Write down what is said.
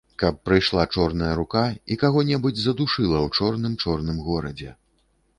Каб прыйшла чорная рука і каго-небудзь задушыла ў чорным-чорным горадзе.